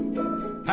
はい。